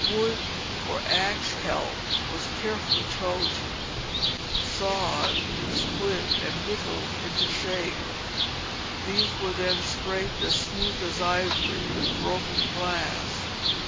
Wood for axe helves was carefully chosen, sawed, split, and whittled into shape. These were then scraped as smooth as ivory with broken glass.